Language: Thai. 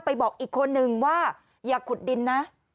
บอกอีกคนนึงว่าอย่าขุดดินนะ